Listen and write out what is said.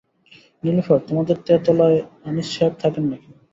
নীলুফার-তোমাদের তেতলায় আনিস সাহেব থাকেন নাকি?